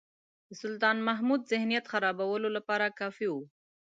د سلطان محمود ذهنیت خرابولو لپاره کافي وو.